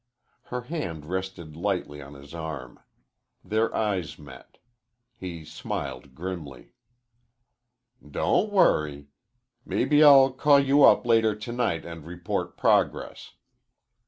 Her hand rested lightly on his arm. Their eyes met. He smiled grimly. "Don't worry. Mebbe I'll call you up later tonight and report progress."